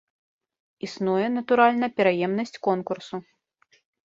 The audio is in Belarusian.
Існуе, натуральна, пераемнасць конкурсу.